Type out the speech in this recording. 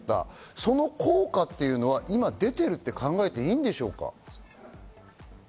その効果というのは今出ていると考えていいんでしょうか。